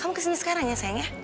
kamu kesini sekarang ya sayangnya